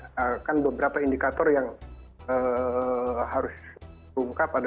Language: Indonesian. namun sebelumnya kita mengasuh itu chairman